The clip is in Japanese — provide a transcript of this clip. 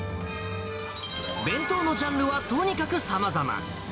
弁当のジャンルはとにかくさまざま。